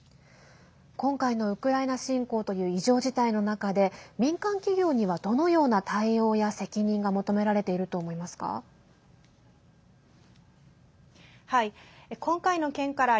今回のウクライナ侵攻という異常事態の中で民間企業には、どのような対応や責任が求められていると思いますか。